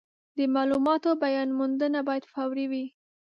د مالوماتو بیاموندنه باید فوري وي.